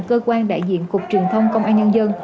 cơ quan đại diện cục truyền thông công an nhân dân